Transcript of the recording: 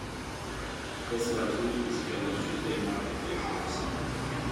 Festival Too is held on Tuesday Market Place every summer.